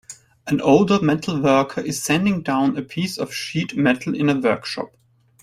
An older metal worker is sanding down a piece of sheet metal in a workshop